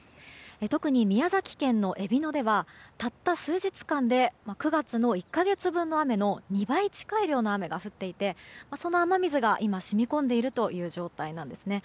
特に宮崎県のえびのではたった数日間で９月の１か月分の雨の２倍近い量の雨が降っていてその雨水が今、染み込んでいる状態なんですね。